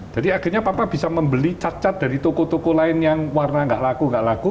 jadi akhirnya papa bisa membeli cat cat dari toko toko lain yang warna nggak laku nggak laku